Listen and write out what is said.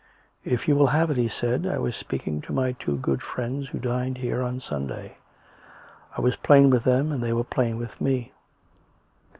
" If you will have it," he said, " I was speaking to my two good friends who dined here on Sunday. I was plain with them and they were plain with me.